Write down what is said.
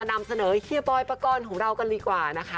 นำเสนอเฮียบอยปกรณ์ของเรากันดีกว่านะคะ